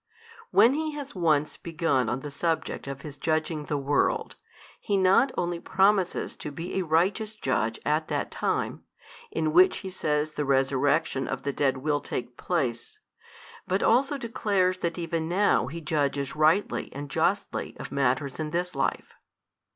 When He has once begun on the subject of His judging the world, He not only promises to be a righteous Judge at that time, in which He says the Resurrection of the dead will take place, but also declares that even now He judges rightly and justly of matters in this life.